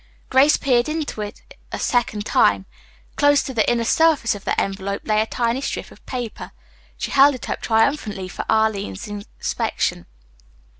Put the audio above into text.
Grace peered into it a second time. Close to the inner surface of the envelope lay a tiny strip of paper. She held it up triumphantly for Arline's inspection.